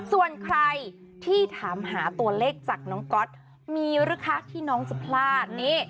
ส่วนใครที่ถามหาตัวเลขจากน้องก๊อตมีหรือคะที่น้องจะพลาดนี่